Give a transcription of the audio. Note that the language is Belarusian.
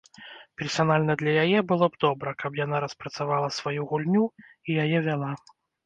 Персанальна для яе было б добра, каб яна распрацавала сваю гульню і яе вяла.